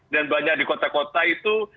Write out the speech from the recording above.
banyak di kota kota itu